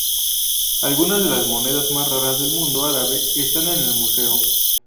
Algunas de las monedas más raras del mundo árabe están en el museo.